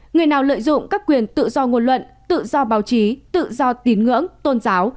người nào lợi dụng các quyền tự do ngôn luận tự do báo chí tự do tín ngưỡng tôn giáo